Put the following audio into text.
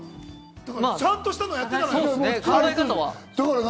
ちゃんとしたのやってたのよ。